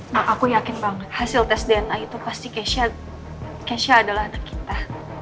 nah aku yakin banget hasil tes dna itu pasti kesha adalah anak kita